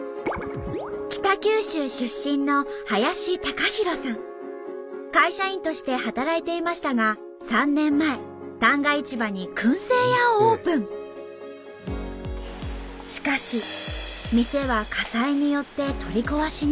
北九州出身の会社員として働いていましたがしかし店は火災によって取り壊しに。